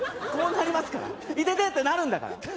こうなりますから「いてて」ってなるんだから。